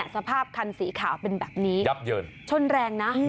สภาพคันสีขาวเป็นแบบนี้ชนแรงนะ